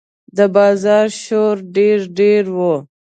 د بازار شور ډېر ډېر و.